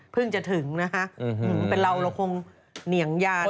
เพิ่งจะถึงนะคะเป็นลาวเราก็คงเนี่ยงยานเลย